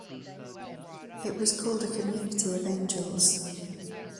It was called "A Community of Angels".